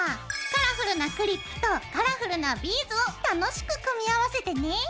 カラフルなクリップとカラフルなビーズを楽しく組み合わせてね！